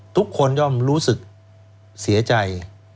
ทุกคนยอมรู้สึกเสียใจ